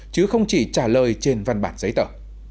chứ không chỉ trả lời trên văn bản giấy tờ